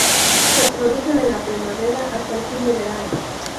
Se producen en la primavera hasta el fin de verano.